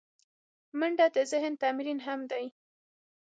منډه د ذهن تمرین هم دی